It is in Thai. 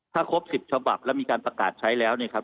ถ้าครบ๑๐ชวับแล้วมีการปรากฏใช้แล้วนะครับ